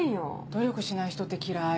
努力しない人って嫌い